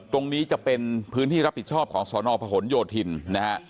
ตรงนี้จะเป็นพื้นที่รับผิดชอบของสนพหนโยธินนะฮะ